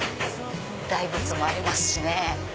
大仏もありますしね。